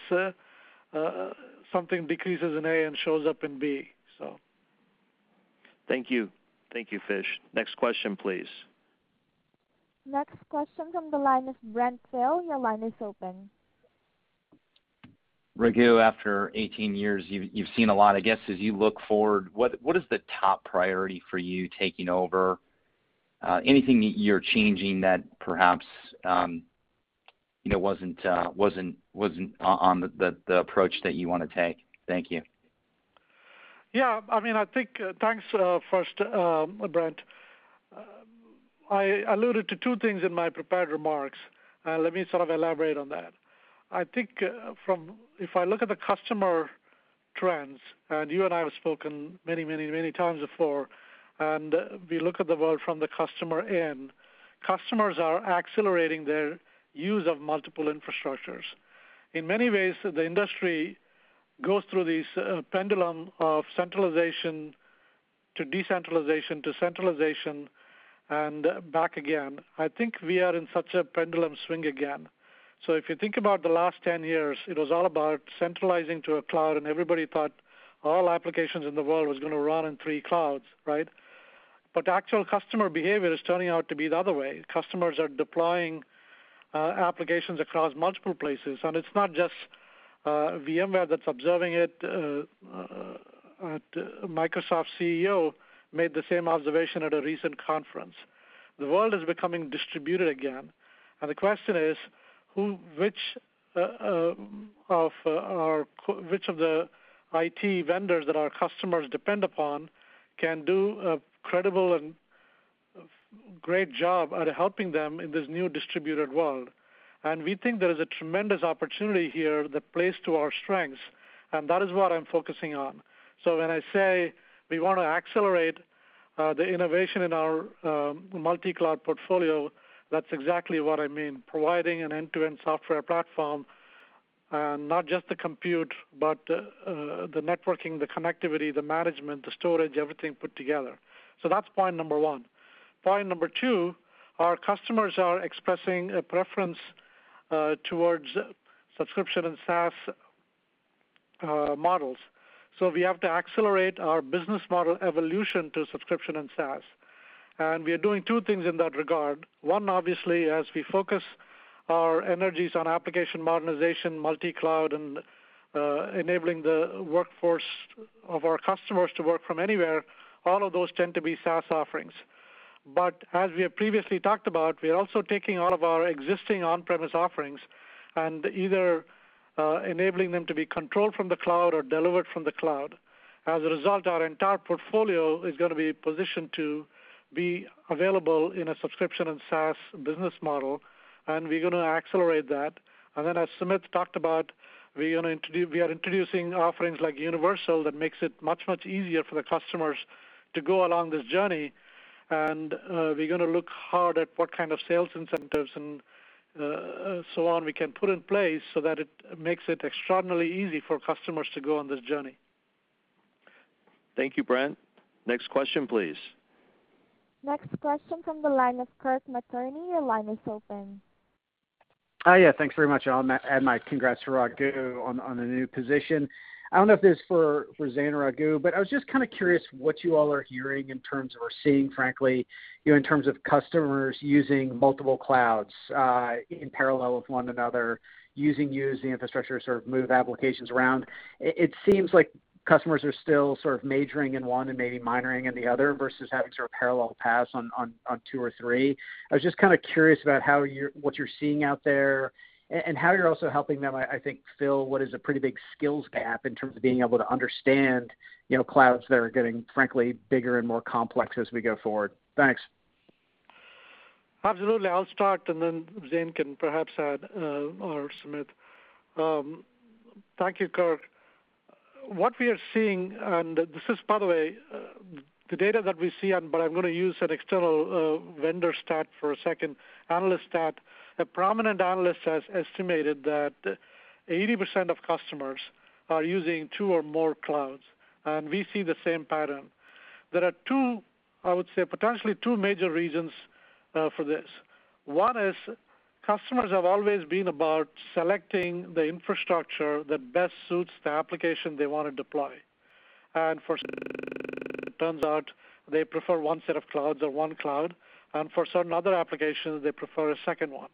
something decreases in A and shows up in B. Thank you. Thank you, Fish. Next question, please. Next question from the line of Brent Thill. Your line is open. Raghu, after 18 years, you've seen a lot. I guess as you look forward, what is the top priority for you taking over? Anything that you're changing that perhaps, you know, wasn't on the approach that you want to take? Thank you. Yeah. I mean, I think, thanks, first, Brent. I alluded to two things in my prepared remarks. Let me sort of elaborate on that. I think, if I look at the customer trends, you and I have spoken many times before, and we look at the world from the customer end, customers are accelerating their use of multiple infrastructures. In many ways, the industry goes through this pendulum of centralization to decentralization to centralization and back again. I think we are in such a pendulum swing again. If you think about the last 10 years, it was all about centralizing to a cloud, and everybody thought all applications in the world was going to run in three clouds, right? The actual customer behavior is turning out to be the other way. Customers are deploying applications across multiple places, and it's not just VMware that's observing it. Microsoft CEO made the same observation at a recent conference. The world is becoming distributed again, and the question is who, which of the IT vendors that our customers depend upon can do a credible and great job at helping them in this new distributed world. We think there is a tremendous opportunity here that plays to our strengths, and that is what I'm focusing on. When I say we want to accelerate the innovation in our multi-cloud portfolio, that's exactly what I mean, providing an end-to-end software platform, and not just the compute but the networking, the connectivity, the management, the storage, everything put together. That's point number one. Point number two, our customers are expressing a preference towards subscription and SaaS models. We have to accelerate our business model evolution to subscription and SaaS. We are doing two things in that regard. One, obviously, as we focus our energies on application modernization, multi-cloud, and enabling the workforce of our customers to work from anywhere, all of those tend to be SaaS offerings. As we have previously talked about, we are also taking all of our existing on-premise offerings and either enabling them to be controlled from the cloud or delivered from the cloud. As a result, our entire portfolio is going to be positioned to be available in a subscription and SaaS business model, and we're going to accelerate that. As Sumit talked about, we are introducing offerings like Universal that makes it much easier for the customers to go along this journey. We're going to look hard at what kind of sales incentives and so on we can put in place so that it makes it extraordinarily easy for customers to go on this journey. Thank you, Brent. Next question please. Next question from the line of Kirk Materne. Your line is open. Yeah, thanks very much. I'll add my congrats to Raghu on the new position. I don't know if this is for Zane or Raghu, but I was just kind of curious what you all are hearing in terms or seeing, frankly, you know, in terms of customers using multiple clouds in parallel with one another, using you as the infrastructure to sort of move applications around. It seems like customers are still sort of majoring in one and maybe minoring in the other versus having sort of parallel paths on two or three. I was just kind of curious about how what you're seeing out there and how you're also helping them, I think, fill what is a pretty big skills gap in terms of being able to understand, you know, clouds that are getting, frankly, bigger and more complex as we go forward. Thanks. Absolutely. I'll start and then Zane can perhaps add or Sumit. Thank you, Kirk. What we are seeing, and this is by the way, the data that we see, but I'm going to use an external vendor stat for a second, analyst stat. A prominent analyst has estimated that 80% of customers are using two or more clouds, and we see the same pattern. There are two, I would say, potentially two major reasons for this. One is customers have always been about selecting the infrastructure that best suits the application they want to deploy. For turns out they prefer one set of clouds or one cloud, and for certain other applications they prefer a second one.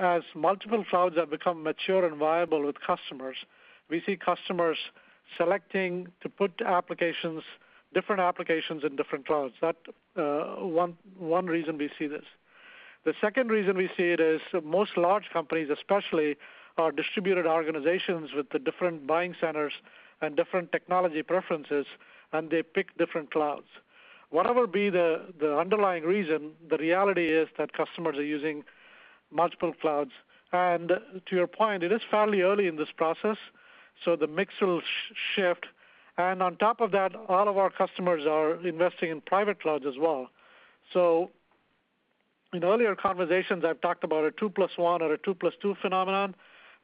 As multiple clouds have become mature and viable with customers, we see customers selecting to put applications, different applications in different clouds. That's one reason we see this. The second reason we see it is most large companies especially are distributed organizations with the different buying centers and different technology preferences, and they pick different clouds. Whatever be the underlying reason, the reality is that customers are using multiple clouds. To your point, it is fairly early in this process, so the mix will shift. On top of that, all of our customers are investing in private clouds as well. In earlier conversations, I've talked about a 2 + 1 or a 2 + 2 phenomenon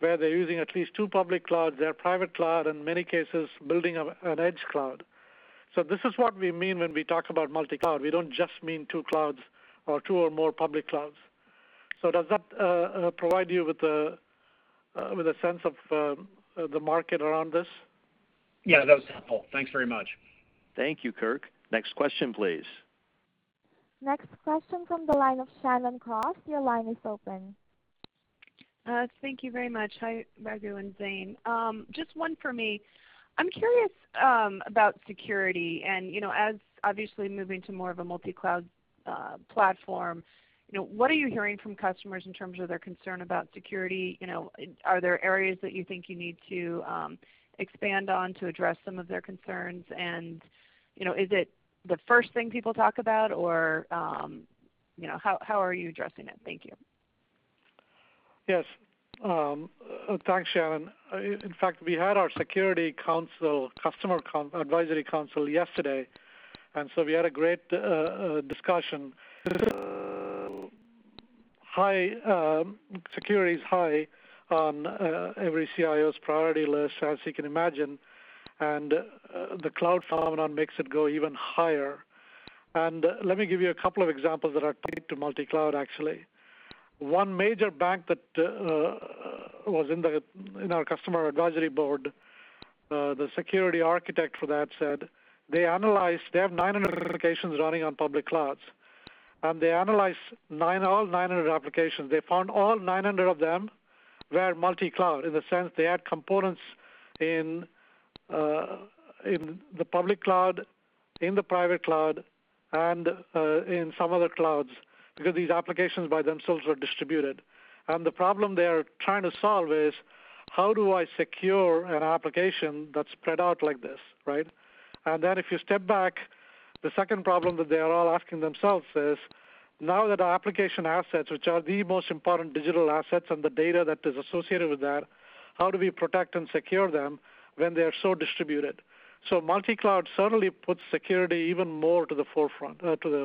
where they're using at least two public clouds, their private cloud, in many cases building an edge cloud. This is what we mean when we talk about multi-cloud. We don't just mean two clouds or two or more public clouds. Does that provide you with a sense of the market around this? Yeah, that was helpful. Thanks very much. Thank you, Kirk. Next question please. Next question from the line of Shannon Cross. Your line is open. Thank you very much. Hi Raghu and Zane. Just one for me. I'm curious about security and, you know, as obviously moving to more of a multi-cloud platform, you know, what are you hearing from customers in terms of their concern about security? You know, are there areas that you think you need to expand on to address some of their concerns? you know, is it the first thing people talk about, or, you know, how are you addressing it? Thank you. Yes. Thanks, Shannon. In fact, we had our security council, customer advisory council yesterday, we had a great discussion. High security is high on every CIO's priority list, as you can imagine, the cloud phenomenon makes it go even higher. Let me give you a couple of examples that are tied to multi-cloud actually. One major bank that was in the, in our customer advisory board, the security architect for that said they analyzed. They have 900 applications running on public clouds, and they analyzed all 900 applications. They found all 900 of them were multi-cloud in the sense they had components in the public cloud, in the private cloud, and in some other clouds. These applications by themselves are distributed. The problem they are trying to solve is, how do I secure an application that's spread out like this, right? If you step back, the second problem that they are all asking themselves is, now that our application assets, which are the most important digital assets and the data that is associated with that, how do we protect and secure them when they are so distributed? Multi-cloud suddenly puts security even more to the forefront. Thank you.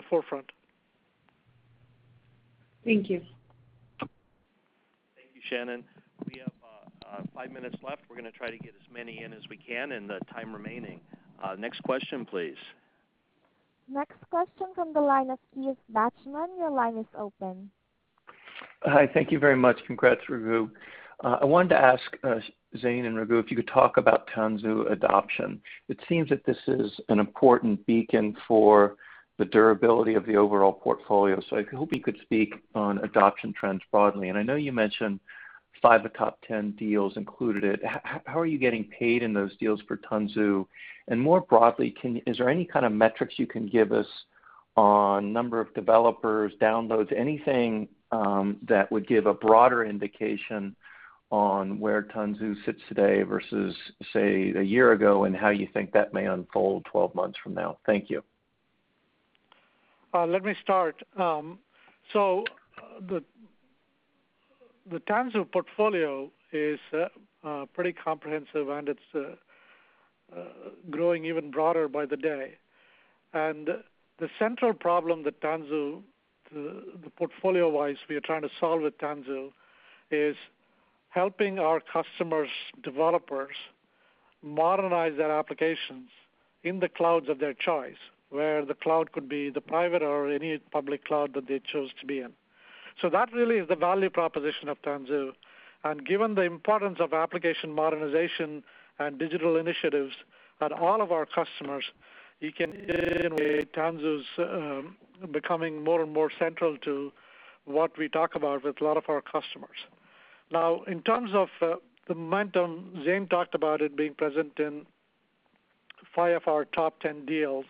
Thank you, Shannon. We have five minutes left. We're going to try to get as many in as we can in the time remaining. Next question, please. Next question from the line of Keith Bachman. Your line is open. Hi, thank you very much. Congrats, Raghu. I wanted to ask Zane and Raghu, if you could talk about Tanzu adoption. It seems that this is an important beacon for the durability of the overall portfolio, so I hope you could speak on adoption trends broadly. I know you mentioned five of the top 10 deals included it. How are you getting paid in those deals for Tanzu? More broadly, Is there any kind of metrics you can give us on number of developers, downloads, anything that would give a broader indication on where Tanzu sits today versus, say, a year ago, and how you think that may unfold 12 months from now? Thank you. Let me start. The Tanzu portfolio is pretty comprehensive, and it's growing even broader by the day. The central problem that Tanzu portfolio-wise we are trying to solve with Tanzu is helping our customers' developers modernize their applications in the clouds of their choice, where the cloud could be the private or any public cloud that they chose to be in. That really is the value proposition of Tanzu. Given the importance of application modernization and digital initiatives at all of our customers, you can say Tanzu's becoming more and more central to what we talk about with a lot of our customers. The momentum, Zane talked about it being present in five of our top 10 deals.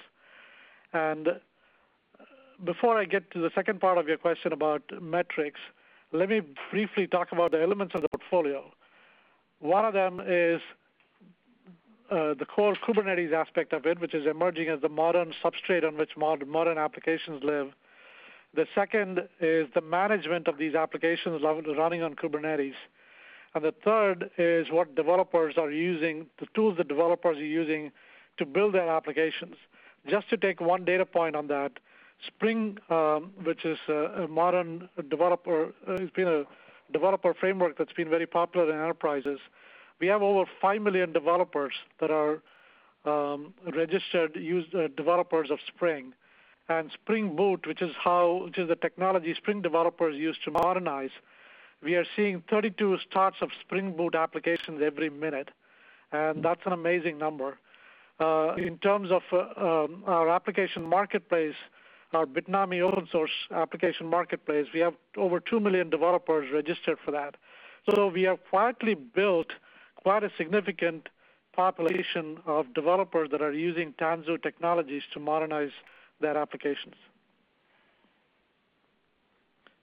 Before I get to the second part of your question about metrics, let me briefly talk about the elements of the portfolio. One of them is the core Kubernetes aspect of it, which is emerging as the modern substrate on which modern applications live. The second is the management of these applications running on Kubernetes. The third is what developers are using, the tools the developers are using to build their applications. Just to take one data point on that, Spring, which is a modern developer, it's been a developer framework that's been very popular in enterprises. We have over 5 million developers that are registered use developers of Spring. Spring Boot, which is how, which is the technology Spring developers use to modernize, we are seeing 32 starts of Spring Boot applications every minute, and that's an amazing number. In terms of our application marketplace, our Bitnami open source application marketplace, we have over 2 million developers registered for that. We have quietly built quite a significant population of developers that are using Tanzu technologies to modernize their applications.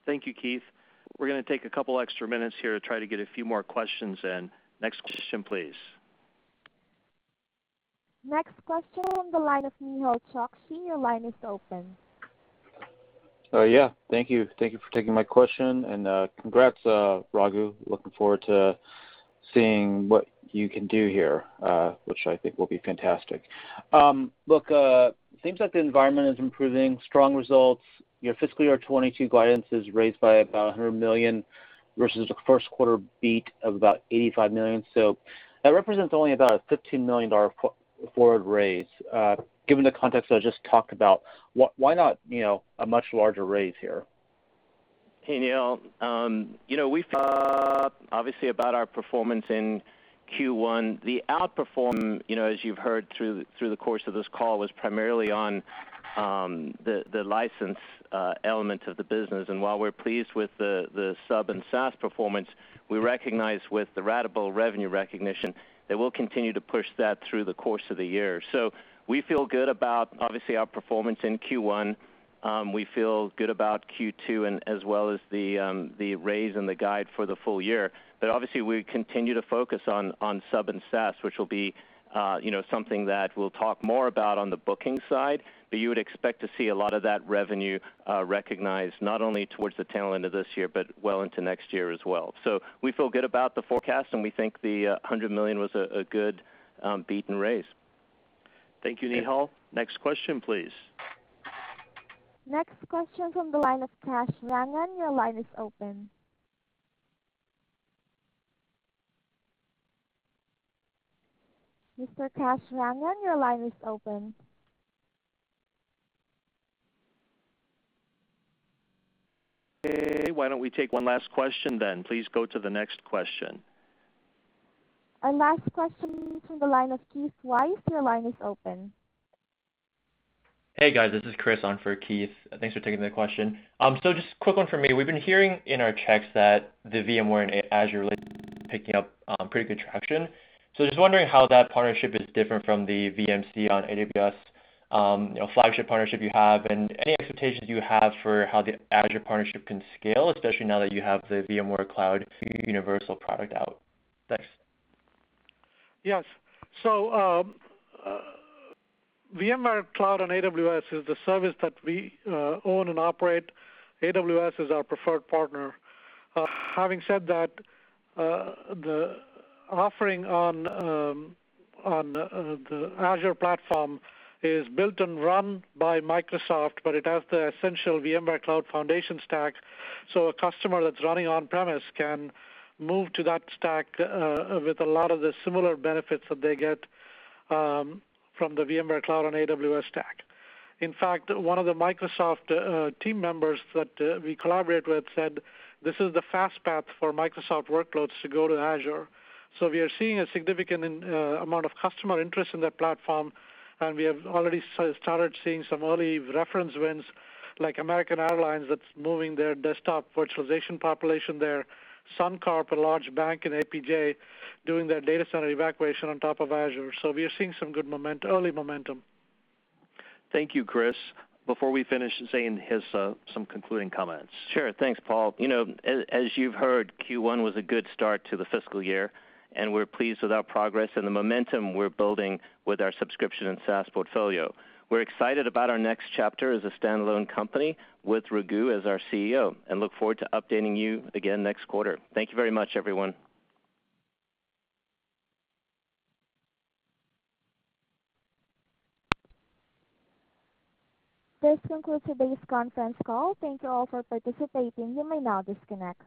Thank you, Keith. We're going to take two extra minutes here to try to get a few more questions in. Next question, please. Next question on the line of Nehal Chokshi. Your line is open. Yeah. Thank you. Thank you for taking my question. Congrats, Raghu. Looking forward to seeing what you can do here, which I think will be fantastic. Look, seems like the environment is improving. Strong results. Your fiscal year 2022 guidance is raised by about $100 million versus the first quarter beat of about $85 million. That represents only about a $15 million for-forward raise. Given the context I just talked about, why not, you know, a much larger raise here? Hey, Nehal. You know, we feel obviously about our performance in Q1. The outperformance, as you've heard through the course of this call, was primarily on the license element of the business. While we're pleased with the sub and SaaS performance, we recognize with the ratable revenue recognition that we'll continue to push that through the course of the year. We feel good about, obviously, our performance in Q1. We feel good about Q2 and as well as the raise and the guide for the full year. Obviously, we continue to focus on sub and SaaS, which will be, you know, something that we'll talk more about on the booking side. You would expect to see a lot of that revenue, recognized not only towards the tail end of this year, but well into next year as well. We feel good about the forecast, and we think the, $100 million was a good, beat and raise. Thank you, Nehal. Next question, please. Next question from the line of Kash Rangan. Your line is open. Mr. Kash Rangan, your line is open. Okay. Why don't we take one last question then? Please go to the next question. Our last question from the line of Keith Weiss. Your line is open. Hey, guys, this is Chris on for Keith. Thanks for taking the question. Just quick one from me. We've been hearing in our checks that the VMware and Azure relationship picking up pretty good traction. Just wondering how that partnership is different from the VMC on AWS, you know, flagship partnership you have, and any expectations you have for how the Azure partnership can scale, especially now that you have the VMware Cloud Universal product out. Thanks. Yes. VMware Cloud on AWS is the service that we own and operate. AWS is our preferred partner. Having said that, the offering on the Azure platform is built and run by Microsoft, but it has the essential VMware Cloud Foundation stack. A customer that's running on-premise can move to that stack with a lot of the similar benefits that they get from the VMware Cloud on AWS stack. In fact, one of the Microsoft team members that we collaborate with said this is the fast path for Microsoft workloads to go to Azure. We are seeing a significant amount of customer interest in that platform, and we have already started seeing some early reference wins, like American Airlines that's moving their desktop virtualization population there. Suncorp, a large bank in APJ, doing their data center evacuation on top of Azure. We are seeing some good early momentum. Thank you, Chris. Before we finish, Zane, here's some concluding comments. Sure. Thanks, Paul. You know, as you've heard, Q1 was a good start to the fiscal year, and we're pleased with our progress and the momentum we're building with our subscription and SaaS portfolio. We're excited about our next chapter as a standalone company with Raghu as our CEO and look forward to updating you again next quarter. Thank you very much, everyone. This concludes today's conference call. Thank You all for participating. You may now disconnect.